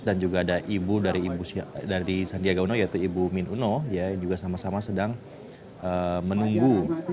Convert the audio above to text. dan juga ada ibu dari sandiaga uno yaitu ibu min uno ya juga sama sama sedang menunggu